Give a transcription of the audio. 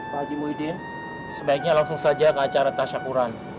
pak aji muhyiddin sebaiknya langsung saja ke acara tahsyakuran